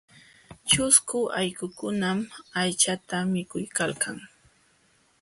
Ćhusku allqukunam aychata mikuykalkan.